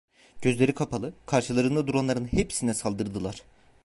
Gözleri kapalı, karşılarında duranların hepsine saldırdılar.